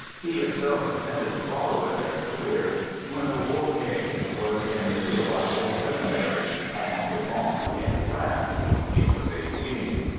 He himself intended to follow in their career, and when the war came was in the Theo logical Seminary at Montauban in France. He was eighteen.